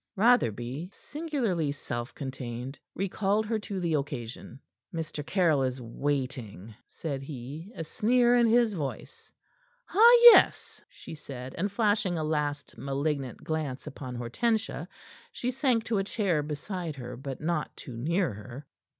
Rotherby, singularly self contained, recalled her to the occasion. "Mr. Caryll is waiting," said he, a sneer in his voice. "Ah, yes," she said, and flashing a last malignant glance upon Hortensia, she sank to a chair beside her, but not too near her.